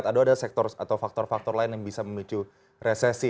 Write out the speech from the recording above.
atau ada sektor atau faktor faktor lain yang bisa memicu resesi